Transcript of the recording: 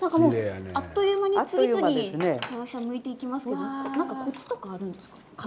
あっという間に次々むいていきますけれどもコツがあるんですか？